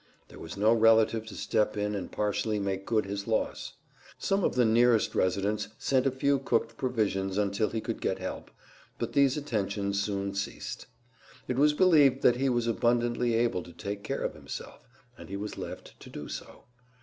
There was no relative to step in and partially make good his loss. Some of the nearest residents sent a few cooked provisions until he could get help, but these attentions soon ceased. It was believed that he was abundantly able to take care of himself, and he was left to do so.